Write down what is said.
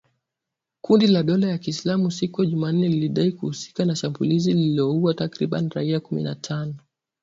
Kundi la Dola ya Kiislamu siku ya Jumanne lilidai kuhusika na shambulizi lililoua takribani raia kumi na tano